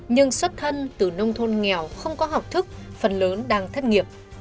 nhưng xuất thân từ nông thôn nghèo không có học thức phần lớn đang thất nghiệp